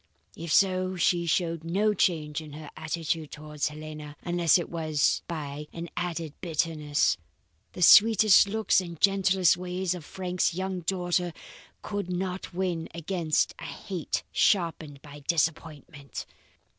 If so, she showed no change in her attitude towards Helena, unless it was by an added bitterness. The sweet looks and gentle ways of Frank's young daughter could not win against a hate sharpened by disappointment.